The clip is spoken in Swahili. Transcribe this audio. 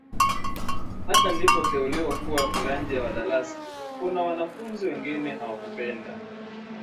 Hata nilipoteuliwa kuwa kiranja wa darasa kuna wanafunzi wengine hawakupenda